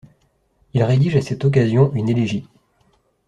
Il rédige à cette occasion une élégie.